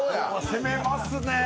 攻めますね。